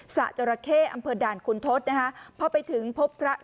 สระเจราะเชษฐ์อัมเภอด่านคุณทศนะฮะเพราะไปถึงพบพระรูป๑